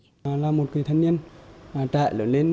tôi là một người thân nhân